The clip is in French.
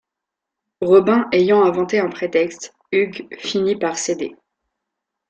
Robin ayant inventé un prétexte, Hugh finit par céder.